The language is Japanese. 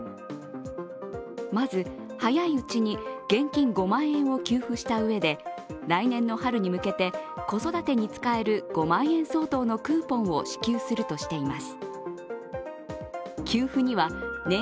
まず、早いうちに現金５万円を給付したうえで来年の春に向けて子育てに使える５万円相当のクーポンを支給するとしています。